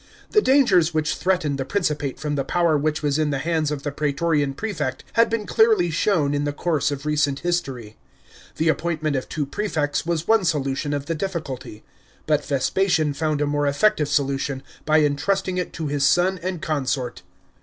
The dangers which threatened the Principate from the power which was in the hands of the praetorian prefect had been clearly shown in the course of recent history. The appointment of two prefects was one solution of the difficulty ; but Vespasian found a more effective solution by entrusting it to his son and consort.